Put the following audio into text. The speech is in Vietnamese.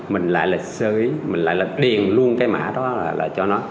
mình lại là xới mình lại là điền luôn cái mã đó là cho nó